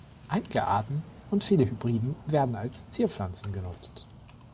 Einige Arten und viele Hybriden werden als Zierpflanzen genutzt.